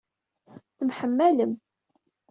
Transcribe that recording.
Temḥemmalem.